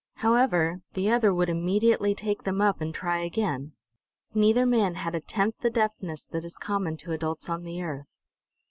However, the other would immediately take them up and try again. Neither man had a tenth the deftness that is common to adults on the earth.